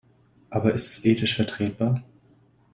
Aber ist es ethisch vertretbar?